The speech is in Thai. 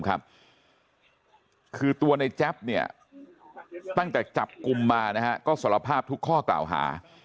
คือตัวในแจ๊บเนี่ยตั้งแต่จับกลุ่มมาก็สารภาพทุกข้อกล่าวหา